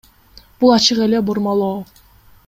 Бул ачык эле бурмалоо.